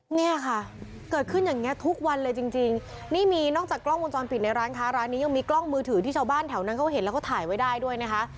เนี่ยค่ะเกิดขึ้นอย่างเงี้ทุกวันเลยจริงจริงนี่มีนอกจากกล้องวงจรปิดในร้านค้าร้านนี้ยังมีกล้องมือถือที่ชาวบ้านแถวนั้นเขาเห็นแล้วก็ถ่ายไว้ได้ด้วยนะคะ